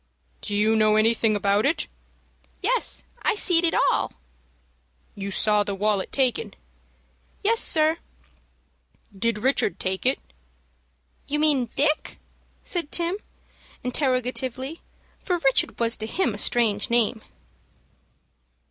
"Do you know anything about it?" "Yes, I seed it all." "You saw the wallet taken?" "Yes, sir." "Did Richard take it?" "You mean Dick?" said Tim, interrogatively, for Richard was to him a strange name.